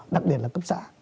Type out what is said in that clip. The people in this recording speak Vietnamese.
đặc biệt là cấp xã